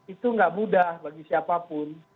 itu nggak mudah bagi siapapun